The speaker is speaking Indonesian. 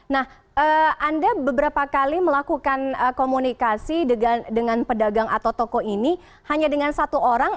nah anda beberapa kali melakukan komunikasi dengan pedagang atau toko ini hanya dengan satu orang